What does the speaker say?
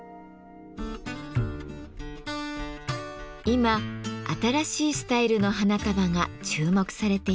今新しいスタイルの花束が注目されています。